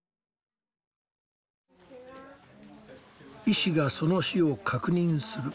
医師がその死を確認する。